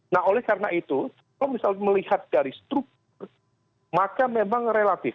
nah oleh karena itu kalau misal melihat dari struktur maka memang relatif